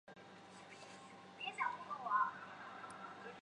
运用层递修辞必须注意要有三件或以上的事物来作比较。